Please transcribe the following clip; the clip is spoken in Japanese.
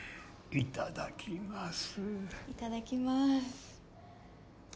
いただきます。